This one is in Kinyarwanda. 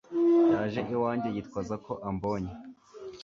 Yaje iwanjye yitwaza ko ambonye.